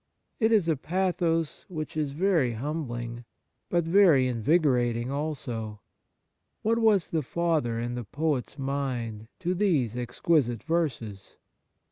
It is a pathos which is very humbhng, but very invigorating also. What was the father in the poet's mind to these exquisite verses